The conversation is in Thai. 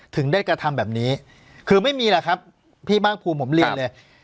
ถึงได้กระทำแบบนี้คือไม่มีหรอกครับพี่ภาคภูมิผมเรียนเลย